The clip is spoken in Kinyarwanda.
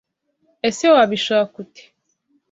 Ese Wabishaka ute?